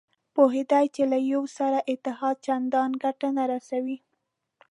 پوهېده چې له یوه سره اتحاد چندانې ګټه نه رسوي.